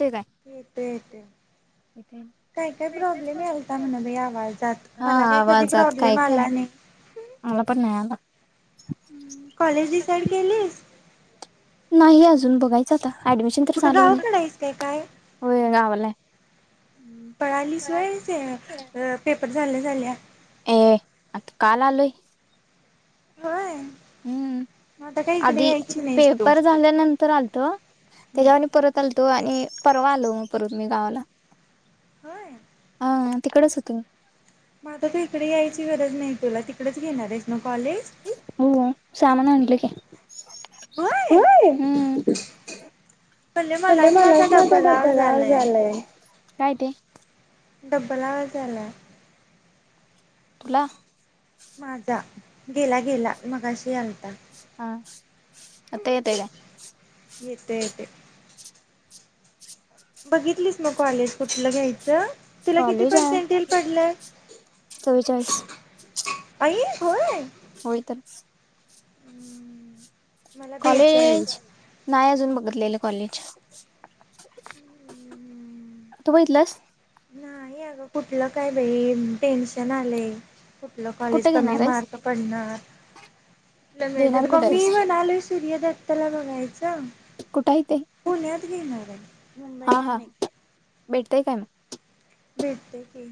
ते काय येतोय येतोय काय काय प्रॉब्लेम यालता म्हणाले आवाजात हा मला काय कधी आवाजात काय प्रॉब्लेम काय आला नाही. मला पण [inaudible] हुं कॉलेज डिसाईड केलीस. नाही अजून बघायचं आता ॲडमिशन तर कुठं चालू गावाकडं आहेस काय [inaudible] होय गावालाय [inaudible] पाळालीस होय ते अ पेप र झाल्या झाल्या ऐ आत काल आलोय. होय. हम्म मग आता काय इकडे आधी यायची नाहीस तू पेपर झाल्यानंतर आलतो त्याजावर आणि परत आल तो आणि परवा आलो म परत मी गावाला होय. हा तिकडच होत म आता तू इकडे यायची गरज नाही तुला ती- खरंच घेणारस ना कॉलेज होय सामान आणलं की होय! हम्म पल्ले मलाच मला माझा ऐक ना, डब्बल डोकं आवाज लाल आलाय झालंय. काय ते? डोकं लाल झालंय. तूला माझा गेला गेला मगशी आलता. हां, आता येतोय काय? येतय येतय बघितलीसना कॉलेज कुठलं घ्यायचं. तुला किती कॉलेज हाय. पर्सेंटेल पडलंय चव्वेचाळीस आइ होय! होय तर [unintelligible] कॉलेज बेचाळीस नाही अजून बघितलेलं. कॉलेज तू बघितलंस. नाही अगं कुठलं काय बाई टेन्शन आलंय. कुठलं कॉलेज कुठे कमी घेणार आहेस मार्क पडणार. कुठं मिळत्यात घेणार कुठे बग मी आहेस म्हणालोय. सूर्य दत्तला बघायचं. द कुठे आहे ते पुण्यात घेणार आहे. मुंबई हा काय हा नाही भेटतय काय म भेटते की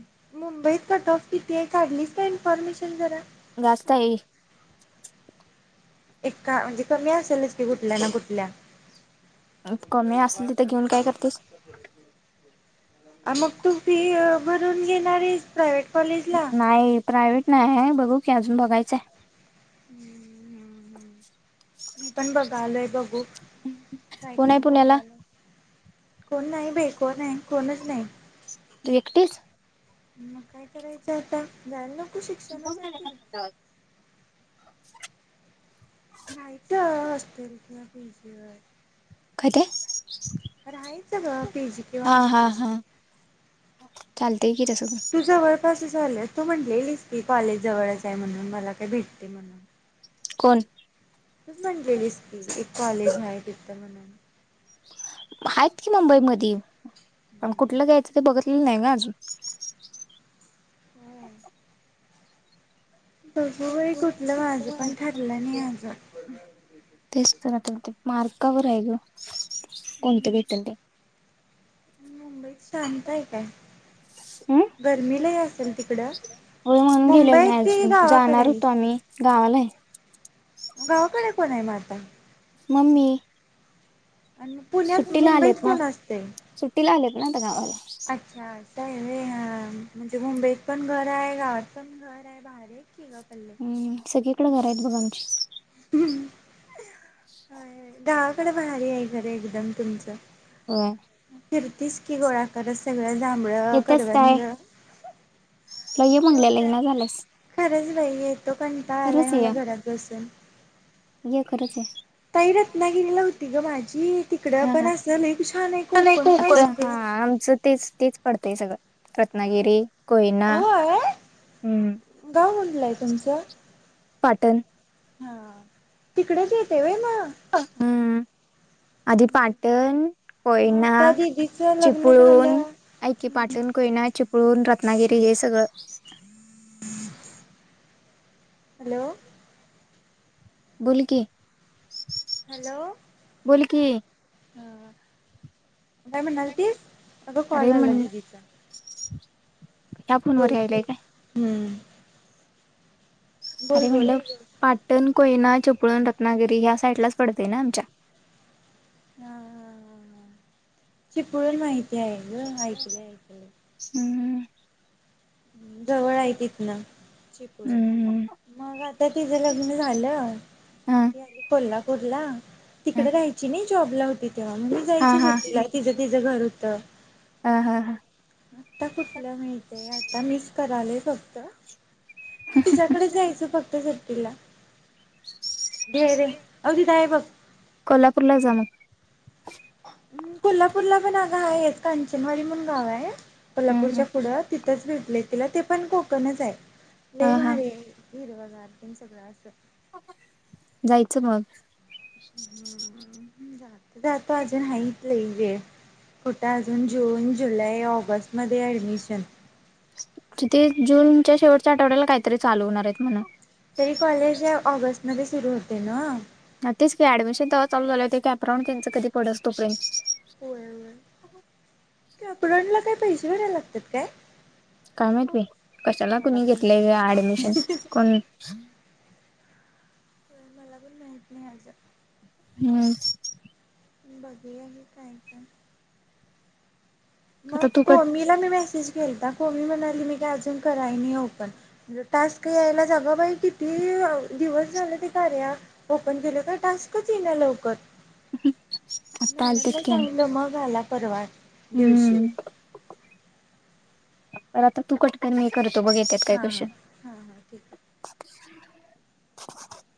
मुंबईत कट ऑफ किती आहे. काढलीत काय इन्फॉर्मेशन जरा जास्त आहे. एका म्हणजे कमी असेलच की कुठल्या ना कुठल्या कमी मुंबईला असेल बास तिथे घेऊन काय सगळ्या [unintelligible] करतेस अग मग तू फी भरून घेणारीच प्रायवेट नाही प्रायव्हेट नाही आहे बघू. हे अजून बघायचंय. [unintelligible] मी पण बघालोय बघू काय कोण आहे काय पुण्याला बोलायल कोण नाही बे कोण आहे. कोणच नाही. तू एकटीच मग काय करायचं होतं. जायला नको? शिक्षणासाठी [unintelligible] [unintelligible] नाहीत असतल किंवा पिजिवर कायते राहायचं ग पीजी किंवा हॉस्टेलवर. [unintelligible] चाल तु जवळपास झाले. तू म्हणलेलीस की कॉलेज जवळचय म्हणून मला काय भेटते म्हणून. कोण तूच म्हणलेलीस की एक कॉलेज हाय तीत ते म्हनून हायत कि मुंबई मधी पण कुठलं घ्यायचं ते बघतलेलं नाही ग अजून होय [inaudible] तुझं व्हय कुठलं माझं पण ठरलं नाही आजून [inaudible] [unintelligible] ते मार्कावर आहे ग कोणत भेटल ते शांतय काय? हम्म गर्मी लय असेल तिकडं होय म्हणून गेलेलो नाही मुंबईत कि अजून गावाकडं जाणार हाय होतो आम्ही गावाला आहे गावाकडं [unintelligible] मम्मी आणि म पुण्यात सुट्टीला मुंबईत कोण असतंय? नाही आता गावाला अच्छा आज म्हणजे ह मुंबईत पण घराय गावात पण घराय कि भारी य की ग हम् सगळीकडें घरा [inaudible] [unintelligible] गावाकडं भारी हाय. घर एकदम तुमचं. होय फिरतीस की गोळा करत सगळं जांभळं, येतेच काय करवंध तुला ये [unintelligible] यो म्हणलेलं काय येईना झालंस खरंच बाई येतो कंटाळा आलाय खरंच मला ये घरात बसून. ये खरंच ये. [unintelligible] [unintelligible] तिकडं ह पण ह असं लई छान आहे नाही कोकण कुंकू काय हाय, सगळं. आमचं तेच तेच पडतंय सगळं रत्नागिरी कोयना होय हम्म गाव कुटलंय तुमचं पाटण हा तिकडच येतय वय? हम्म आधी पाटण, मग कोयना, आता दिदीचं लग्न चिपळून झालं. आईक की पाटण, कोयना, चिपळून, रत्नागिरी हे सगळं हॅलो. बोल की, हॅलो बोल की हा काय म्हणाल ती अगं अरे कॉल आलाय दीदीचा या फोन वर यायलाय काय? हम्म अरे बोल बोल. म्हणलं पाट टन कोयना चिपळुण रत्नागिरी ह्या साइड लाच पडतय ना आमच्या हा हा हा हा चिपळून माहिती आहे ग ऐकलं ऐकलं [inaudible] जवळ आहे तिथन चिपळून हम्म मग आता तिचं लग्न झालं हा ती आली कोल्हाप [inaudible] ह तिकड राहायची नाही? जॉब ला होती हं मी हा जायचो सुट्टीला तिचं तिझं घर हुत [inaudible] हा हा हा आता कुठलं मिळतया आता मिस करालोय फक्त मी तिच्याकडच जायचं फक्त तिला कोल्हापूरला जाण कोल्हापूरला पण अगं आहेत, कांचनवाडी म्हणून गाव हाय कोल्हापूरच्या हम्म पुढं तिथंच भेट तिला ते पण कोकणच आहे. लई हा हा भारी हाय. हिरवं गार तेन सगळं असं जायचं मग [unintelligible] त तो आता अजून हाहीत लई वेळ कुठं अजून जून, जुलै, ऑगस्ट मध्ये ऍडमिशन तिथे जूनच्या शेवटच्या आठवड्याला काहीतरी चालू होणार आहेत म्हणं तरी कॉलेज ऑगस्ट नवे सुरू होतय न तेच कि ऍडमिशन तवा चालू झाल्यावर ते कॅपरांन त्यांचं कधी पडस तोपर्यंत होय होय कॅप्रॉनला काय पैसे भरायला लागत्यात काय? काय माहित बाई, कशाला मला कुणी पण घेतलंय माहिती हे नाही. ऍडमिशन कोण तर मला पण माहित नाही ह्याज हम् बघु या आणि काय काय मग आता तू कट कोमीला मी मॅसेज केलता कोमी म्हणाली मी काय अजून कराय नाही ओपन म्हणं टास्क यायलाच अगं बाई किती दिवस झालं ते कार्या ओपन केलं काय टास्कच येई ना लवकर आत्ता आलत्यात मॅडमला कि आणि सांगितलं मग आला परवा दिवशी [inaudible] तर आता तू कट नाही करत तो बघेल त्यात काय हां हां क्वेश्चन हां हां ठीक आहे. [inaudible]